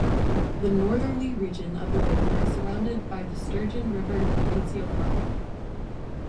The northerly region of the river is surrounded by the Sturgeon River Provincial Park.